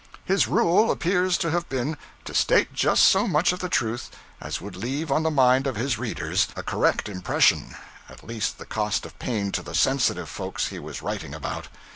His rule appears to have been to state just so much of the truth as would leave on the mind of his readers a correct impression, at the least cost of pain to the sensitive folks he was writing about.